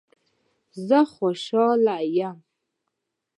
زه خوشحاله یم